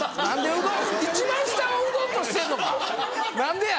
一番下をうどんとしてんのか何でや！